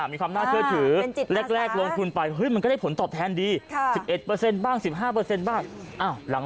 มีความน่าเชื่อถือแรกลงทุนไปมันก็ได้ผลตอบแทนดี๑๑บ้าง๑๕บ้าง